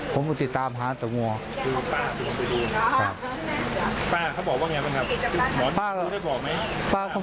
สองสามีภรรยาคู่นี้มีอาชีพ